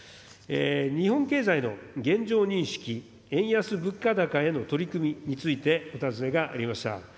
日本経済の現状認識、円安・物価高への取り組みについてお尋ねがありました。